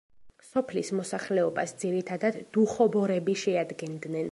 სოფლის მოსახლეობას ძირითადად დუხობორები შეადგენდნენ.